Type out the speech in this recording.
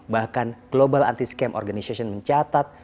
bahkan global anti scam organization mencatat